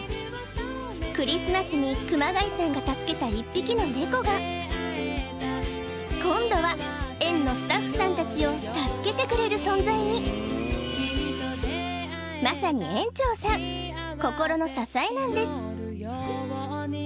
クリスマスに熊谷さんが助けた１匹のネコが今度は園のスタッフさんたちを助けてくれる存在にまさに園長さん心の支えなんです